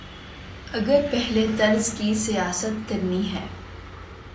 اگر پہلے طرز کی سیاست کرنی ہے۔